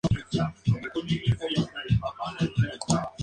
En el mismo año interviene en la organización de una muestra continental.